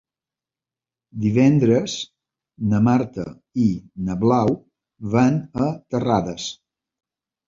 Divendres na Marta i na Blau van a Terrades.